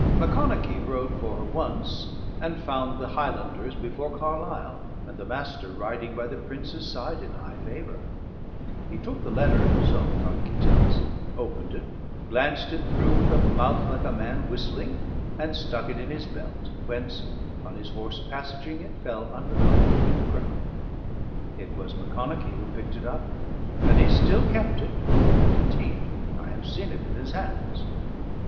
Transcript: Macconochie rode for her once, and found the Highlanders before Carlisle, and the Master riding by the Prince's side in high favour; he took the letter (so Macconochie tells), opened it, glanced it through with a mouth like a man whistling, and stuck it in his belt, whence, on his horse passageing, it fell unregarded to the ground. It was Macconochie who picked it up; and he still kept it, and indeed I have seen it in his hands.